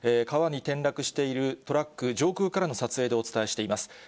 川に転落しているトラック、上空からの撮影でお伝えしています。